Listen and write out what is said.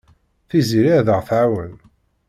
Tiziri ad aɣ-tɛawen.